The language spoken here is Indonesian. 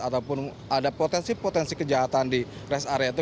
ataupun ada potensi potensi kejahatan di rest area itu